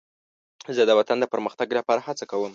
زه د وطن د پرمختګ لپاره هڅه کوم.